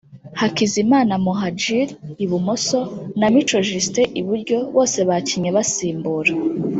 Hakizimana Muhadjili (Ibumoso) na Mico Justin (iburyo) bose bakinnye basimbura